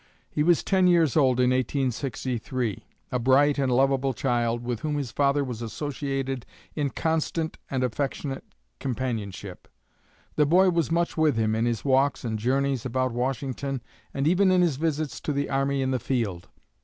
He was ten years old in 1863, a bright and lovable child, with whom his father was associated in constant and affectionate companionship. The boy was much with him in his walks and journeys about Washington, and even in his visits to the army in the field.